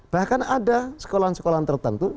bahkan ada sekolah sekolah tertentu